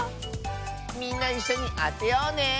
みんないっしょにあてようね。